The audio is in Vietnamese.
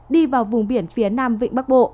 đi vào vùng biển phía nam vịnh bắc bộ